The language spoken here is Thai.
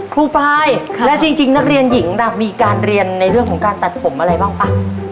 ครูปายและจริงนักเรียนหญิงน่ะมีการเรียนในเรื่องของการตัดผมอะไรบ้างป่ะ